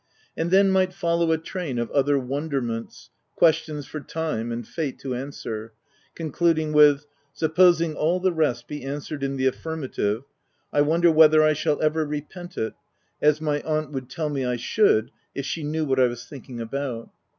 And then might follow a train of other wonder ments questions for time and fate to answer, concluding with ;— supposing all the rest be an swered in the affirmative, I w T onder whether I shall ever repent it — as my aunt would tell me I OF WILDFELL HALL. 2/1 should, if she knew what I was thinking about.